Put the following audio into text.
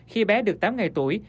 khi bé được tám ngày tuổi